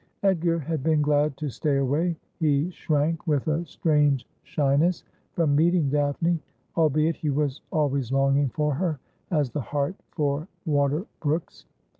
Edgar had been glad to stay away. He shrank with a strange shyness from meeting Daphne ; albeit he was always longing for her as the hart for water brooks.